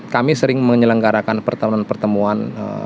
kami sering menyelenggarakan pertemuan pertemuan